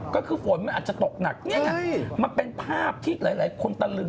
ก็คือฝนมันอาจจะตกหนักเนี่ยมันเป็นภาพที่หลายคนตะลึง